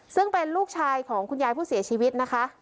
ซึ่งเป็นลูกชายของคุณยายผู้เสียชีวิตนะคะ